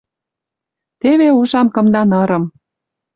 Теве ужам кымда нырым.